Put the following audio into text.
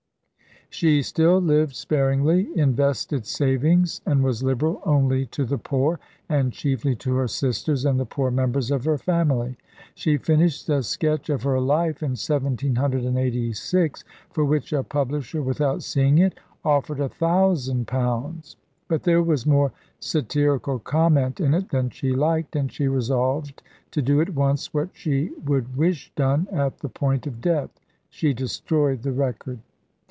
She still lived sparingly, invested savings, and was liberal only to the poor, and chiefly to her sisters and the poor members of her family. She finished a sketch of her life in 1786, for which a publisher, without seeing it, offered a thousand pounds. But there was more satirical comment in it than she liked, and she resolved to do at once what she would wish done at the point of death. She destroyed the record.